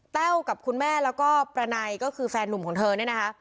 แต้วกับคุณแม่แล้วก็ประไนก็คือแฟนนุ่มของเธอเนี่ยนะคะ